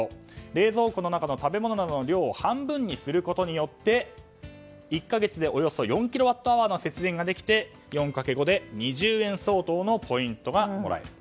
冷蔵庫の中の食べ物などの量を半分にすることによって１か月でおよそ４キロワットアワーの節電ができて４×５で２０円相当のポイントがもらえる。